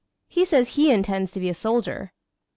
He says he intends to be a soldier."